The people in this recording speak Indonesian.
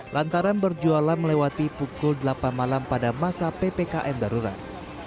lantaran berjualan melewati pukul delapan malam pada masa ppkm darurat